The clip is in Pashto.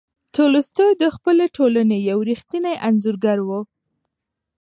تولستوی د خپلې ټولنې یو ریښتینی انځورګر و.